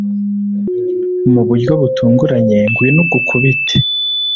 mu buryo butunguranye, ngwino ugukubite